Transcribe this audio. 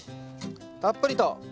たっぷりと！